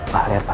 pak lihat pak